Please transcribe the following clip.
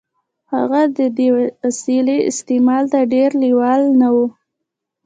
هغه د دې وسیلې استعمال ته ډېر لېوال نه و